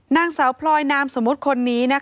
นางสาวพลอยนามสมมุติคนนี้